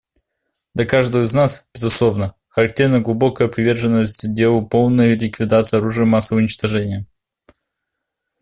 Для каждого из нас, безусловно, характерна глубокая приверженность делу полной ликвидации оружия массового уничтожения.